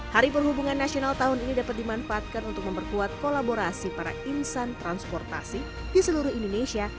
hari perhubungan nasional tahun ini dapat dimanfaatkan untuk memperkuat kolaborasi para insan transportasi di seluruh indonesia